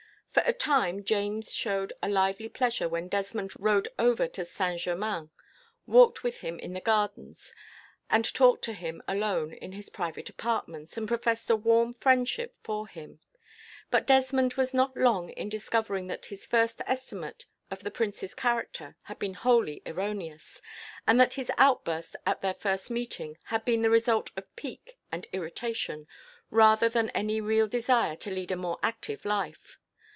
For a time, James showed a lively pleasure when Desmond rode over to Saint Germain, walked with him in the gardens, and talked to him alone in his private apartments, and professed a warm friendship for him; but Desmond was not long in discovering that his first estimate of the prince's character had been wholly erroneous, and that his outburst at their first meeting had been the result of pique and irritation, rather than any real desire to lead a more active life.